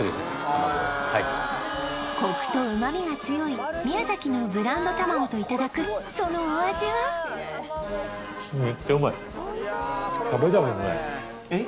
卵をはいコクと旨味が強い宮崎のブランド卵といただくそのお味は？えっ？